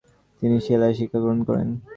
তিনি সেলাই শিক্ষাগ্রহণ করেন।